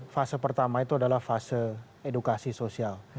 fase pertama itu adalah fase edukasi sosial